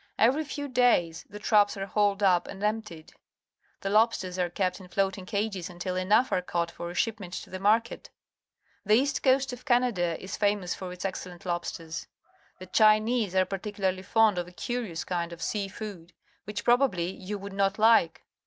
Every few days the traps are hauled up and emptied. The lobsters are kept in floating cages until enough are caught for a shipment to the marliet. The east coast of Canada is famous for its excellent lobsters. The Cliinese are particularly fond of a curious kind of sea food, which, probabh", Salmon Fleet, Skeena River, British Columbia you would not hke.